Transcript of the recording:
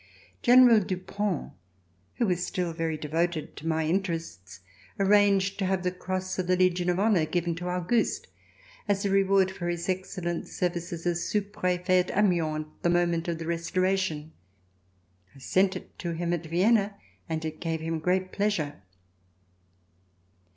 General Dupont, who was still very devoted to my interests, arranged to have the cross of the Legion of Honor given to Auguste, as a reward for his excellent services as Sous Prefet at Amiens, at the moment of the Restoration. I sent it to him at Vienna, and it gave him great pleasure.